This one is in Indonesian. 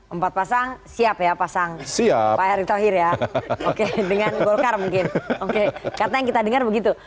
empat pasang siap ya pasang siap pak erick thohir ya oke dengan golkar mungkin oke karena yang kita dengar begitu